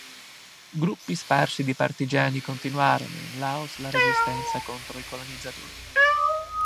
Gruppi sparsi di partigiani continuarono in Laos la resistenza contro i colonizzatori.